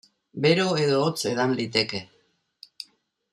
Bero edo hotz edan liteke.